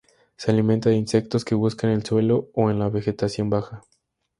Se alimenta de insectos que busca en el suelo o en la vegetación baja.